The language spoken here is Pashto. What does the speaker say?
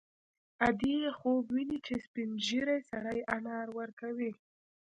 ادې یې خوب ویني چې سپین ږیری سړی انار ورکوي